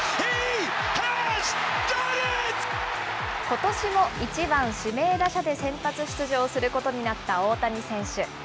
ことしも１番指名打者で先発出場することになった大谷選手。